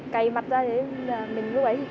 cày mặt ra mình lúc đấy